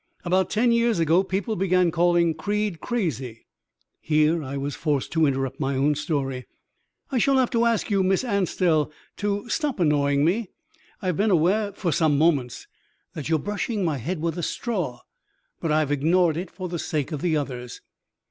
"About ten years ago people began calling Creed crazy." Here I was forced to interrupt my own story. "I shall have to ask you, Miss Anstell, to stop annoying me. I have been aware for some moments that you are brushing my head with a straw, but I have ignored it for the sake of the others."